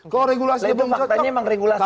kalau regulasi itu maksudnya emang regulasinya ya